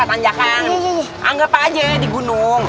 tanjakan anggap aja ya di gunung